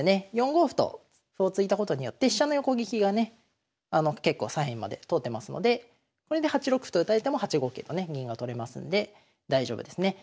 ４五歩と歩を突いたことによって飛車の横利きがね結構左辺まで通ってますのでこれで８六歩と打たれても８五桂とね銀が取れますんで大丈夫ですね。